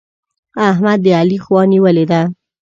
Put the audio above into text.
احمد د علي خوا نيولې ده.